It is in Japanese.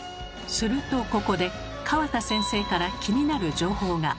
するとここで河田先生から気になる情報が。